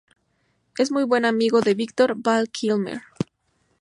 Es muy buen amigo del actor Val Kilmer.